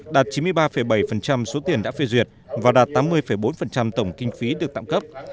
đạt chín mươi ba bảy số tiền đã phê duyệt và đạt tám mươi bốn tổng kinh phí được tạm cấp